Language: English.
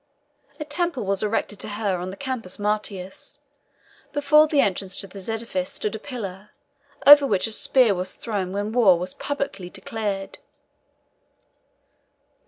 A temple was erected to her on the Campus Martius. Before the entrance to this edifice stood a pillar, over which a spear was thrown when war was publicly declared.